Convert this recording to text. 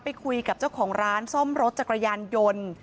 ไปคุยกับเจ้าของร้านซ่อมรถจักรยานยนต์